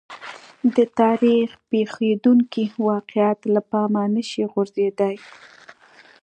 د تاریخ پېښېدونکي واقعات له پامه نه شي غورځېدای.